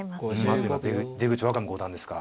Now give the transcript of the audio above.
あと出口若武五段ですか。